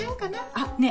あっねえ